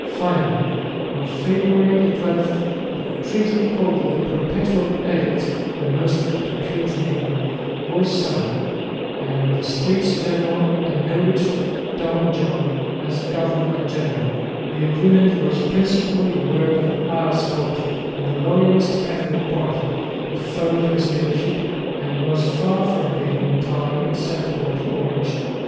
Finally, on February 12, a treaty called "The Perpetual Edict," a most inappropriate name, was signed, and the States General acknowledged Don John as governor general. The agreement was principally the work of Aerschot and the loyalist Catholic party, who followed his leadership, and was far from being entirely acceptable to Orange.